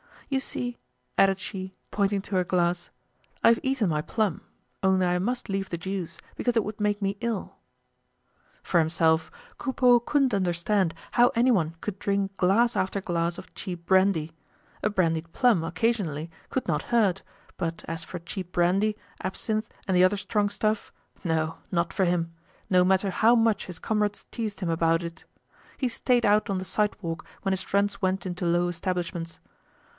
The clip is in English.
"You see," added she, pointing to her glass, "I've eaten my plum; only I must leave the juice, because it would make me ill." For himself, Coupeau couldn't understand how anyone could drink glass after glass of cheap brandy. A brandied plum occasionally could not hurt, but as for cheap brandy, absinthe and the other strong stuff, no, not for him, no matter how much his comrades teased him about it. He stayed out on the sidewalk when his friends went into low establishments.